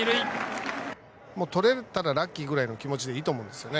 取れたらラッキーぐらいの気持ちでいいと思うんですよね。